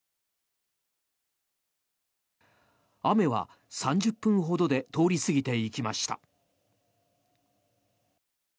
雨は３０分ほどで通り過ぎていきました。